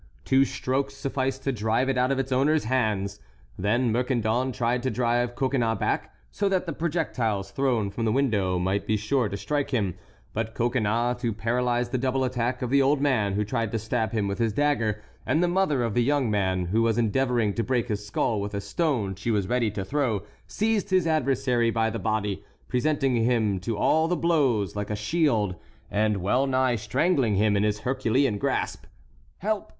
Two strokes sufficed to drive it out of its owner's hands. Then Mercandon tried to drive Coconnas back, so that the projectiles thrown from the window might be sure to strike him, but Coconnas, to paralyze the double attack of the old man, who tried to stab him with his dagger, and the mother of the young man, who was endeavoring to break his skull with a stone she was ready to throw, seized his adversary by the body, presenting him to all the blows, like a shield, and well nigh strangling him in his Herculean grasp. "Help!